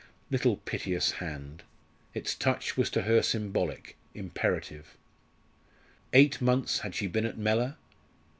Little piteous hand! its touch was to her symbolic, imperative. Eight months had she been at Mellor?